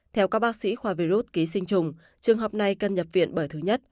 theo các bác sĩ khoa virus ký sinh trùng trường hợp này cần nhập viện bởi thứ nhất